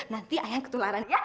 nanti ayan ketularan ya